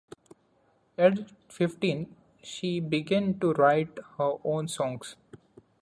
At fifteen, she began to write her own songs.